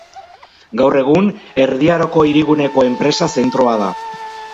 Gaur egun Erdi Aroko Hiriguneko Enpresa Zentroa da.